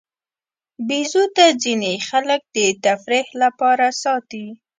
بیزو ته ځینې خلک د تفریح لپاره ساتي.